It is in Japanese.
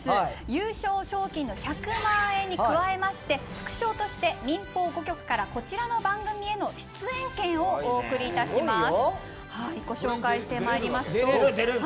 優勝賞金の１００万円に加えまして副賞として民放５局からこちらの番組への出演権をお贈りいたします。